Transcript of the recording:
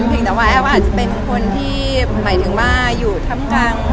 เพียงแต่ว่าแอบอาจเป็นคนที่อยู่น้ำที่ธรรมกัง